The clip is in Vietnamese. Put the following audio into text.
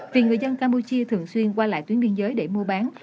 vì người dân campuchia thường xuyên qua lại tuyến biên giới để mua bán